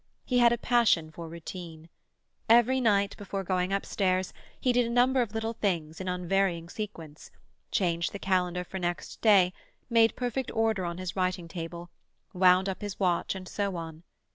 He had a passion for routine. Every night, before going upstairs, he did a number of little things in unvarying sequence—changed the calendar for next day, made perfect order on his writing table, wound up his watch, and so on.